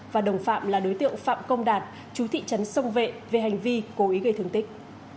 và đồng phạm là đối tượng phạm công đạt chú thị trấn sông vệ về hành vi cố ý gây thương tích